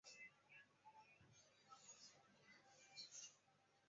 后入工程兵司令部任保卫干事。